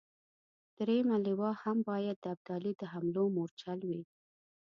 درېمه لواء هم باید د ابدالي د حملو مورچل وي.